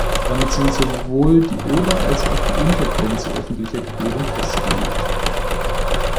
Damit sind sowohl die Ober- als auch die Untergrenze öffentlicher Gebühren festgelegt.